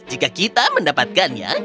jika kita mendapatkannya